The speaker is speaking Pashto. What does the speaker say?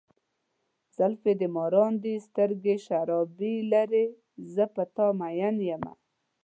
زلفې دې مارانو دي، سترګې شرابي لارې، زه په ته ماين یمه.